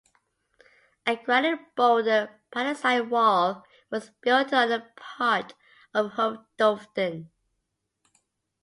A granite boulder palisade wall was built on a part of Hovedvolden.